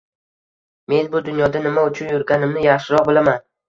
Men bu dunyoda nima uchun yurganimni yaxshiroq bilaman.